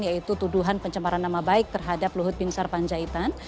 yaitu tuduhan pencemaran nama baik terhadap luhut bin sarpanjaitan